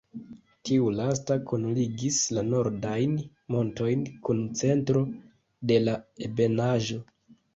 Tiu lasta kunligis la nordajn montojn kun centro de la ebenaĵo.